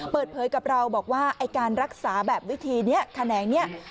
เปิดเผยกับเราบอกว่าไอ้การรักษาแบบวิธีนี้แขนงนี้